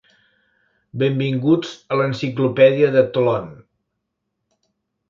Benvinguts a l'enciclopèdia de Tlön.